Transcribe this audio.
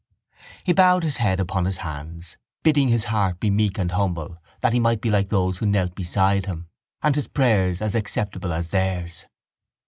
He bowed his head upon his hands, bidding his heart be meek and humble that he might be like those who knelt beside him and his prayer as acceptable as theirs.